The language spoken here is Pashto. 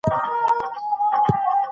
وروسته دا کتاب یوه نړیواله پدیده شوه.